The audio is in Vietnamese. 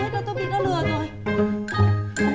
thôi thôi thôi tôi bị nó lừa rồi